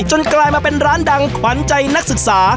กลายมาเป็นร้านดังขวัญใจนักศึกษา